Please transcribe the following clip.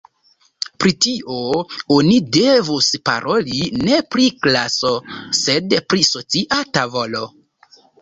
Pri tio oni devus paroli ne pri klaso, sed pri socia tavolo.